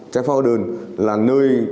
trái pháo đơn là nơi